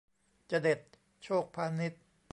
จเด็ด โชคพานิชย์